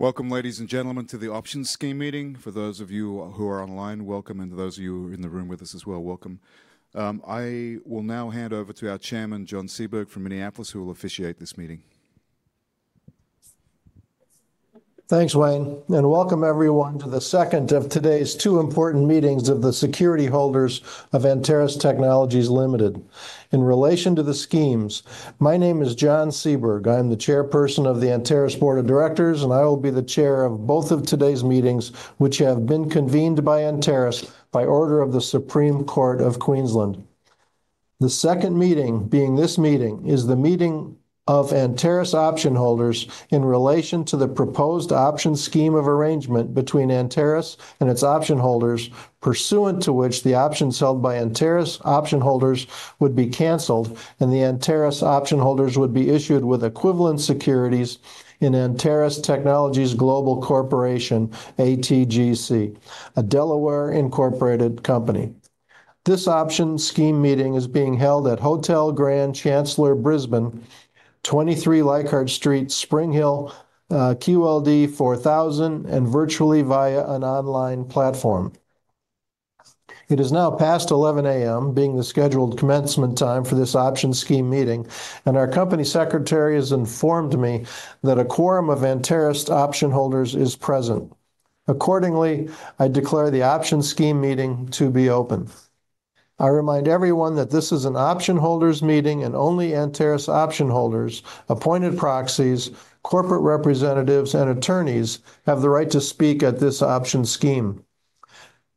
Welcome, ladies and gentlemen, to the Options Scheme meeting. For those of you who are online, welcome, and to those of you who are in the room with us as well, welcome. I will now hand over to our Chairman, John Seaberg, from Minneapolis, who will officiate this meeting. Thanks, Wayne, and welcome everyone to the second of today's two important meetings of the security holders of Anteris Technologies Ltd. In relation to the schemes, my name is John Seaberg. I'm the chairperson of the Anteris Board of Directors, and I will be the chair of both of today's meetings, which have been convened by Anteris by order of the Supreme Court of Queensland. The second meeting, being this meeting, is the meeting of Anteris option holders in relation to the proposed Option Scheme of arrangement between Anteris and its option holders, pursuant to which the options held by Anteris option holders would be canceled and the Anteris option holders would be issued with equivalent securities in Anteris Technologies Global Corp, ATGC, a Delaware-incorporated company. This Option Scheme meeting is being held at Hotel Grand Chancellor Brisbane, 23 Leichhardt Street, Spring Hill, QLD 4000, and virtually via an online platform. It is now past 11:00 A.M., being the scheduled commencement time for this Option Scheme meeting, and our company secretary has informed me that a quorum of Anteris option holders is present. Accordingly, I declare the Option Scheme meeting to be open. I remind everyone that this is an option holders meeting, and only Anteris option holders, appointed proxies, corporate representatives, and attorneys have the right to speak at this Option Scheme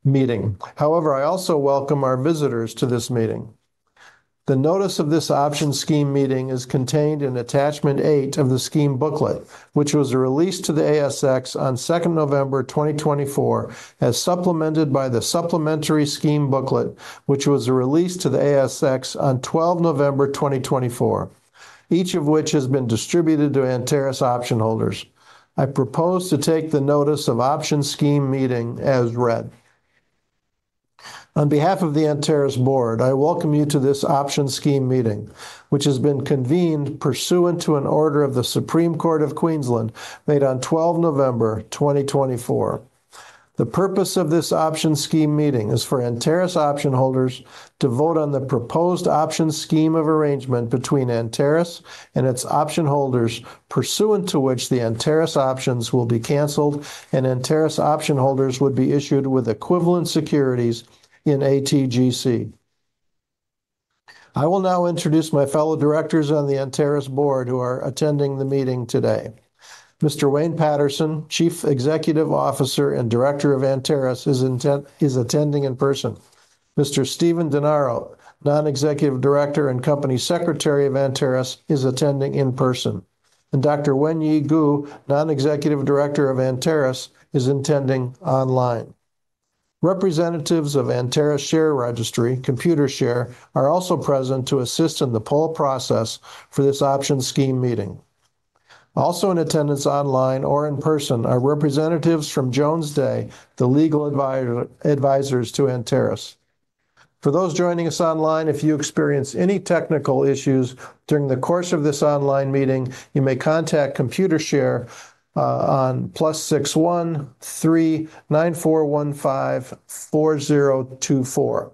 meeting. However, I also welcome our visitors to this meeting. The notice of this Option Scheme meeting is contained in Attachment 8 of the Scheme Booklet, which was released to the ASX on 2nd November 2024, as supplemented by Supplementary Scheme Booklet, which was released to the ASX on 12 November 2024, each of which has been distributed to Anteris option holders. I propose to take the notice of Option Scheme meeting as read. On behalf of the Anteris Board, I welcome you to this Option Scheme meeting, which has been convened pursuant to an order of the Supreme Court of Queensland made on 12 November 2024. The purpose of this Option Scheme meeting is for Anteris option holders to vote on the proposed Option Scheme of arrangement between Anteris and its option holders, pursuant to which the Anteris options will be canceled and Anteris option holders would be issued with equivalent securities in ATGC. I will now introduce my fellow directors on the Anteris Board who are attending the meeting today. Mr. Wayne Paterson, Chief Executive Officer and Director of Anteris, is attending in person. Mr. Stephen Denaro, Non-Executive Director and Company Secretary of Anteris, is attending in person, and Dr. Wen Yi Gu, Non-Executive Director of Anteris, is attending online. Representatives of Anteris Share Registry, Computershare, are also present to assist in the poll process for this Option Scheme meeting. Also in attendance online or in person are representatives from Jones Day, the legal advisors to Anteris. For those joining us online, if you experience any technical issues during the course of this online meeting, you may contact Computershare on +61 3-9415-4024.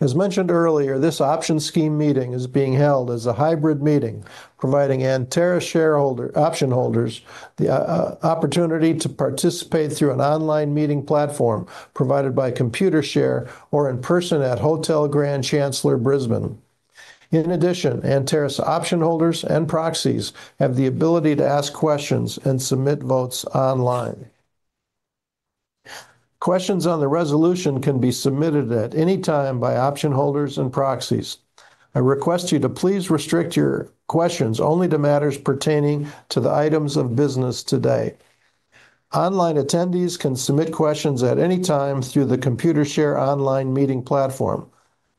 As mentioned earlier, this Option Scheme meeting is being held as a hybrid meeting, providing Anteris shareholder option holders the opportunity to participate through an online meeting platform provided by Computershare or in person at Hotel Grand Chancellor, Brisbane. In addition, Anteris option holders and proxies have the ability to ask questions and submit votes online. Questions on the resolution can be submitted at any time by option holders and proxies. I request you to please restrict your questions only to matters pertaining to the items of business today. Online attendees can submit questions at any time through the Computershare online meeting platform.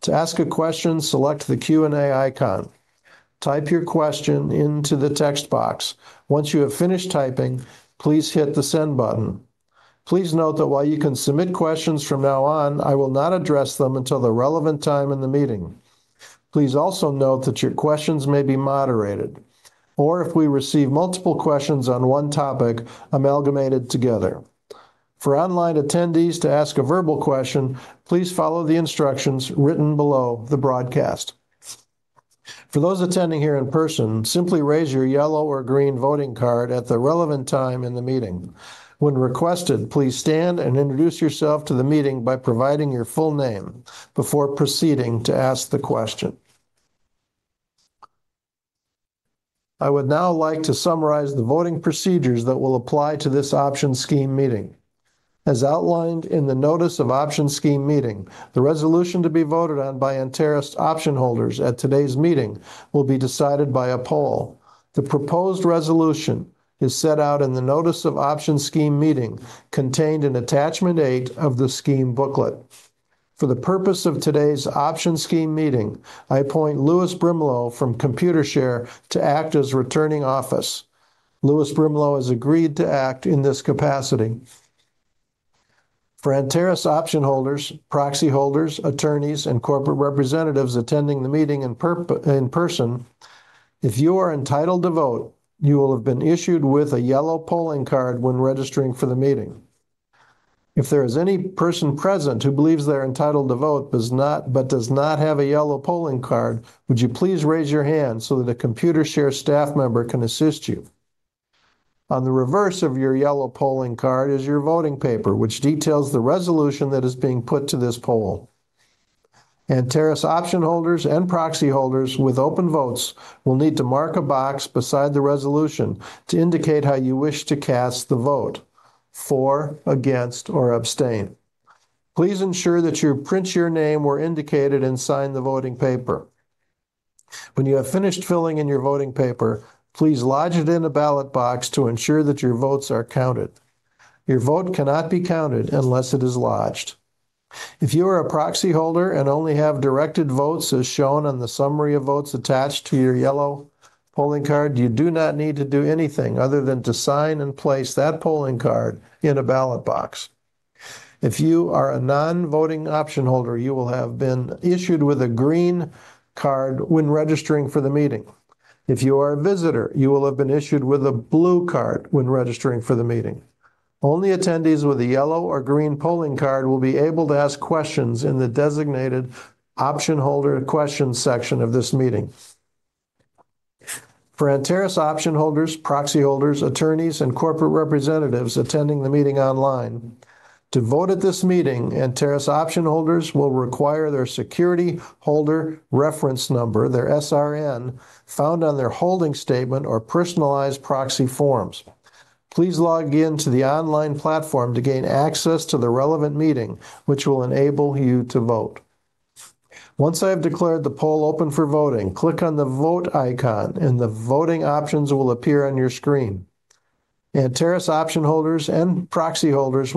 To ask a question, select the Q&A icon. Type your question into the text box. Once you have finished typing, please hit the send button. Please note that while you can submit questions from now on, I will not address them until the relevant time in the meeting. Please also note that your questions may be moderated or if we receive multiple questions on one topic, amalgamated together. For online attendees to ask a verbal question, please follow the instructions written below the broadcast. For those attending here in person, simply raise your yellow or green voting card at the relevant time in the meeting. When requested, please stand and introduce yourself to the meeting by providing your full name before proceeding to ask the question. I would now like to summarize the voting procedures that will apply to this Option Scheme meeting. As outlined in the notice of Option Scheme meeting, the resolution to be voted on by Anteris option holders at today's meeting will be decided by a poll. The proposed resolution is set out in the notice of Option Scheme meeting contained in Attachment 8 of Scheme Booklet. For the purpose of today's Option Scheme meeting, I appoint Lewis Brimelow from Computershare to act as returning officer. Lewis Brimelow has agreed to act in this capacity. For Anteris option holders, proxy holders, attorneys, and corporate representatives attending the meeting in person, if you are entitled to vote, you will have been issued with a yellow polling card when registering for the meeting. If there is any person present who believes they are entitled to vote but does not have a yellow polling card, would you please raise your hand so that a Computershare staff member can assist you? On the reverse of your yellow polling card is your voting paper, which details the resolution that is being put to this poll. Anteris option holders and proxy holders with open votes will need to mark a box beside the resolution to indicate how you wish to cast the vote: for, against, or abstain. Please ensure that you print your name where indicated and sign the voting paper. When you have finished filling in your voting paper, please lodge it in a ballot box to ensure that your votes are counted. Your vote cannot be counted unless it is lodged. If you are a proxy holder and only have directed votes as shown on the summary of votes attached to your yellow polling card, you do not need to do anything other than to sign and place that polling card in a ballot box. If you are a non-voting option holder, you will have been issued with a green card when registering for the meeting. If you are a visitor, you will have been issued with a blue card when registering for the meeting. Only attendees with a yellow or green polling card will be able to ask questions in the designated option holder question section of this meeting. For Anteris option holders, proxy holders, attorneys, and corporate representatives attending the meeting online, to vote at this meeting, Anteris option holders will require their securityholder reference number, their SRN, found on their holding statement or personalized proxy forms. Please log in to the online platform to gain access to the relevant meeting, which will enable you to vote. Once I have declared the poll open for voting, click on the vote icon and the voting options will appear on your screen. Anteris option holders and proxy holders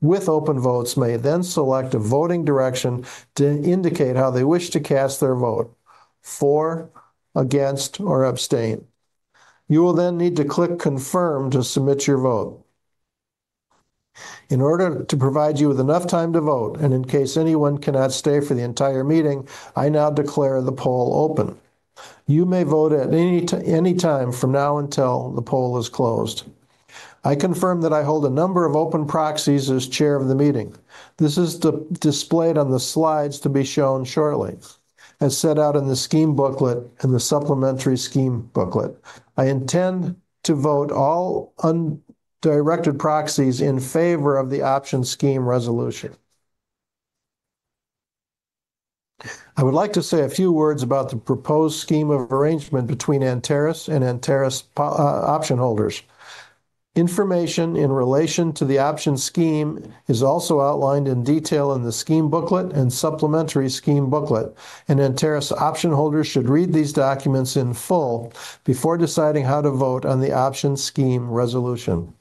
with open votes may then select a voting direction to indicate how they wish to cast their vote: for, against, or abstain. You will then need to click confirm to submit your vote. In order to provide you with enough time to vote, and in case anyone cannot stay for the entire meeting, I now declare the poll open. You may vote at any time from now until the poll is closed. I confirm that I hold a number of open proxies as chair of the meeting. This is displayed on the slides to be shown shortly and set out in the Scheme Booklet and Supplementary Scheme Booklet. i intend to vote all undirected proxies in favor of the Option Scheme resolution. I would like to say a few words about the proposed scheme of arrangement between Anteris and Anteris option holders. Information in relation to the Option Scheme is also outlined in detail in the Scheme Booklet Supplementary Scheme Booklet, and Anteris option holders should read these documents in full before deciding how to vote on the Option Scheme resolution.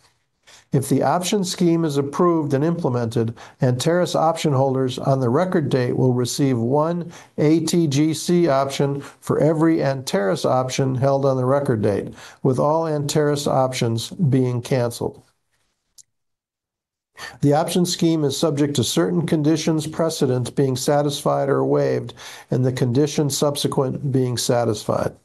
If the Option Scheme is approved and implemented, Anteris option holders on the record date will receive one ATGC option for every Anteris option held on the record date, with all Anteris options being canceled. The Option Scheme is subject to certain conditions precedent being satisfied or waived, and the condition subsequent being satisfied.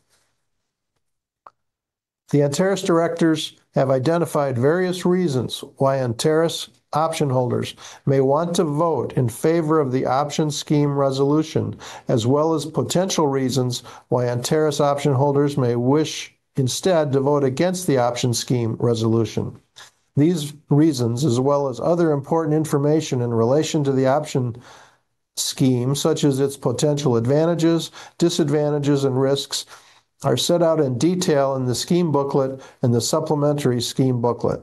The Anteris directors have identified various reasons why Anteris option holders may want to vote in favor of the Option Scheme resolution, as well as potential reasons why Anteris option holders may wish instead to vote against the Option Scheme resolution. These reasons, as well as other important information in relation to the Option Scheme, such as its potential advantages, disadvantages, and risks, are set out in detail in the Scheme Booklet and Supplementary Scheme Booklet.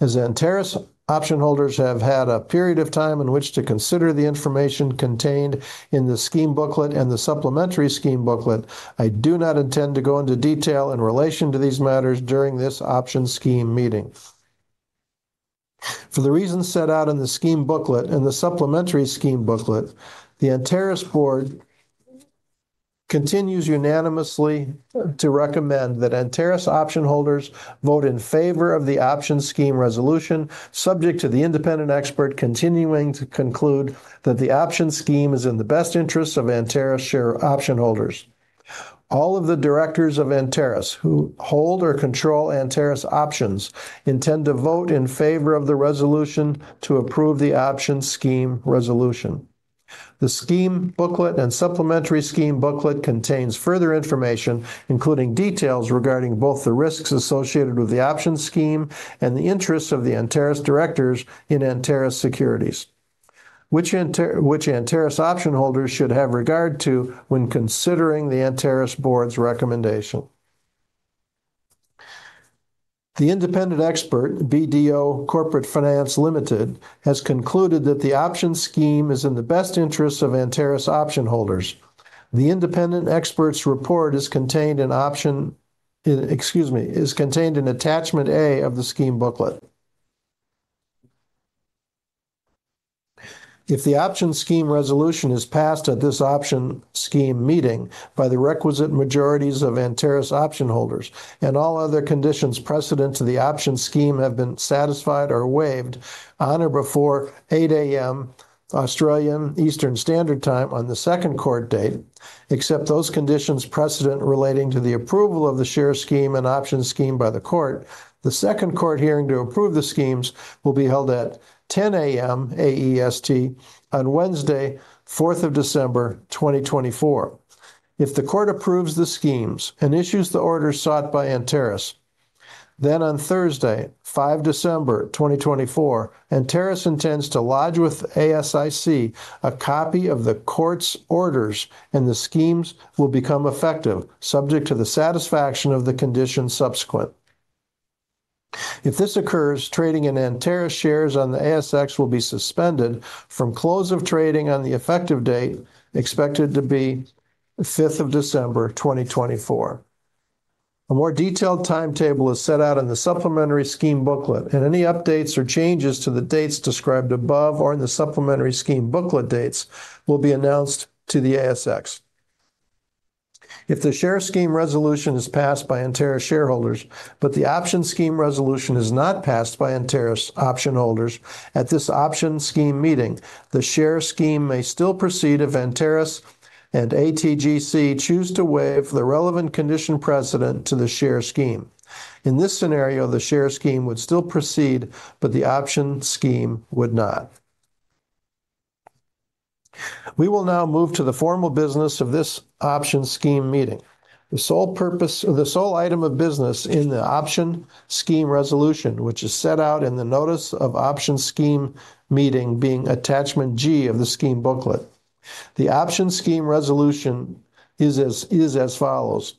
as Anteris option holders have had a period of time in which to consider the information contained in the Scheme Booklet and Supplementary Scheme Booklet, i do not intend to go into detail in relation to these matters during this Option Scheme meeting. For the reasons set out in the Scheme Booklet and Supplementary Scheme Booklet, the Anteris Board continues unanimously to recommend that Anteris option holders vote in favor of the Option Scheme resolution, subject to the independent expert continuing to conclude that the Option Scheme is in the best interests of Anteris share option holders. All of the directors of Anteris who hold or control Anteris options intend to vote in favor of the resolution to approve the Option Scheme resolution. The Scheme Booklet Supplementary Scheme Booklet contains further information, including details regarding both the risks associated with the Option Scheme and the interests of the Anteris directors in Anteris securities, which Anteris option holders should have regard to when considering the Anteris Board's recommendation. The independent expert, BDO Corporate Finance Ltd, has concluded that the Option Scheme is in the best interests of Anteris option holders. The independent expert's report is contained in, excuse me, Attachment A of the Scheme Booklet. If the Option Scheme resolution is passed at this Option Scheme meeting by the requisite majorities of Anteris option holders and all other conditions precedent to the Option Scheme have been satisfied or waived on or before 8:00 A.M. Australian Eastern Standard Time on the second court date, except those conditions precedent relating to the approval of the Share Scheme and Option Scheme by the court, the second court hearing to approve the schemes will be held at 10:00 A.M. AEST on Wednesday, 4th of December 2024. If the court approves the schemes and issues the orders sought by Anteris, then on Thursday, 5 December 2024, Anteris intends to lodge with ASIC a copy of the court's orders, and the schemes will become effective, subject to the satisfaction of the conditions subsequent. If this occurs, trading in Anteris shares on the ASX will be suspended from close of trading on the effective date expected to be 5th of December 2024. A more detailed timetable is set out in Supplementary Scheme Booklet, and any updates or changes to the dates described above or in Supplementary Scheme Booklet dates will be announced to the ASX. If the Share Scheme resolution is passed by Anteris shareholders, but the Option Scheme resolution is not passed by Anteris option holders at this Option Scheme meeting, the Share Scheme may still proceed if Anteris and ATGC choose to waive the relevant condition precedent to the Share Scheme. In this scenario, the Share Scheme would still proceed, but the Option Scheme would not. We will now move to the formal business of this Option Scheme meeting. The sole purpose, the sole item of business in the Option Scheme resolution, which is set out in the notice of Option Scheme meeting being Attachment G of the Scheme Booklet. The Option Scheme resolution is as follows.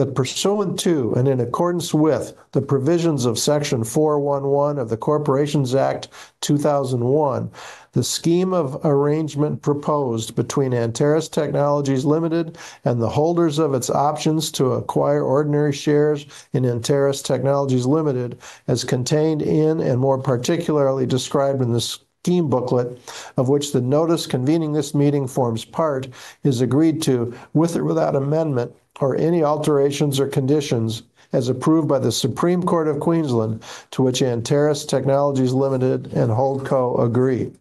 That, pursuant to and in accordance with the provisions of Section 411 of the Corporations Act 2001, the scheme of arrangement proposed between Anteris Technologies Ltd and the holders of its options to acquire ordinary shares in Anteris Technologies Ltd as contained in and more particularly described in the Scheme Booklet of which the notice convening this meeting forms part is agreed to with or without amendment or any alterations or conditions as approved by the Supreme Court of Queensland, to which Anteris Technologies Ltd and HoldCo agree.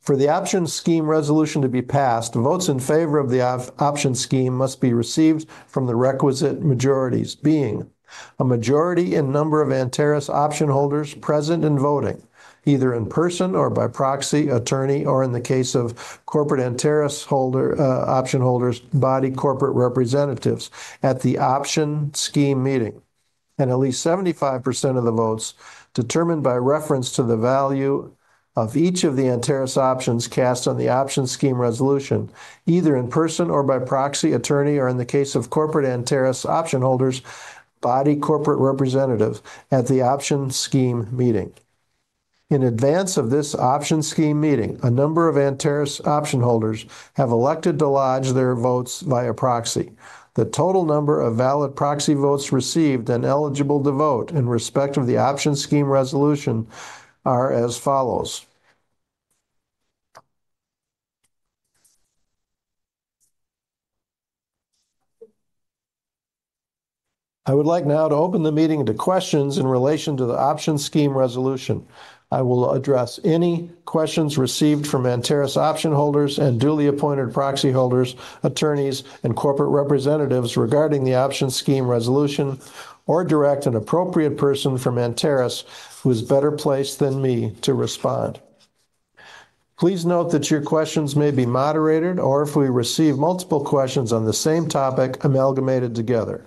For the Option Scheme resolution to be passed, votes in favor of the Option Scheme must be received from the requisite majorities, being a majority in number of Anteris option holders present and voting, either in person or by proxy, attorney, or in the case of corporate Anteris option holders, body corporate representatives at the Option Scheme meeting. At least 75% of the votes determined by reference to the value of each of the Anteris options cast on the Option Scheme resolution, either in person or by proxy, attorney, or in the case of corporate Anteris option holders, body corporate representative at the Option Scheme meeting. In advance of this Option Scheme meeting, a number of Anteris option holders have elected to lodge their votes via proxy. The total number of valid proxy votes received and eligible to vote in respect of the Option Scheme resolution are as follows. I would like now to open the meeting to questions in relation to the Option Scheme resolution. I will address any questions received from Anteris option holders and duly appointed proxy holders, attorneys, and corporate representatives regarding the Option Scheme resolution, or direct an appropriate person from Anteris who is better placed than me to respond. Please note that your questions may be moderated or if we receive multiple questions on the same topic amalgamated together.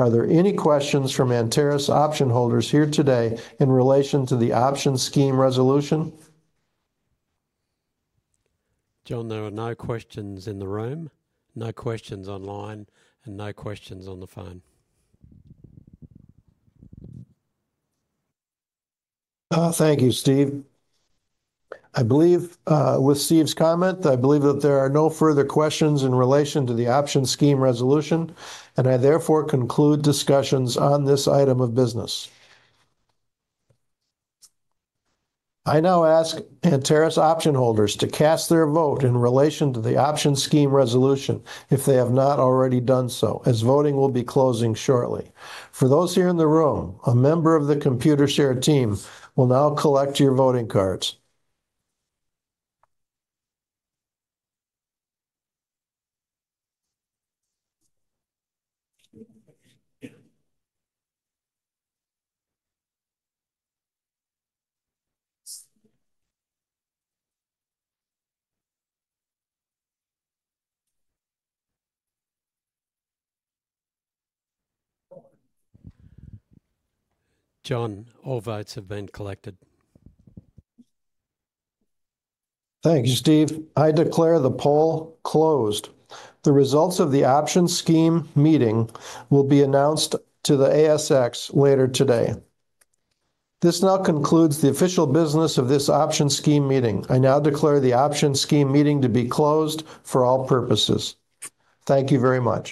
Are there any questions from Anteris option holders here today in relation to the Option Scheme resolution? John, there are no questions in the room, no questions online, and no questions on the phone. Thank you, Steve. I believe with Steve's comment, I believe that there are no further questions in relation to the Option Scheme resolution, and I therefore conclude discussions on this item of business. I now ask Anteris option holders to cast their vote in relation to the Option Scheme resolution if they have not already done so, as voting will be closing shortly. For those here in the room, a member of the Computershare team will now collect your voting cards. John, all votes have been collected. Thank you, Steve. I declare the poll closed. The results of the Option Scheme meeting will be announced to the ASX later today. This now concludes the official business of this Option Scheme meeting. I now declare the Option Scheme meeting to be closed for all purposes. Thank you very much.